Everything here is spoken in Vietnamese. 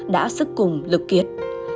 đã sức cùng lực kiết